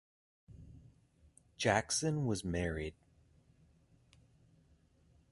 Jackson was married.